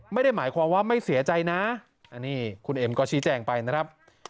ไม่ได้หมายความว่าไม่เสียใจนะอันนี้คุณเอ็มก็ชี้แจงไปนะครับ